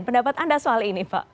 pendapat anda soal ini pak